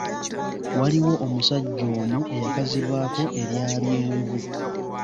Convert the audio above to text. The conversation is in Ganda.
Waaliwo omusajja omu eyakazibwako erya Byenvu.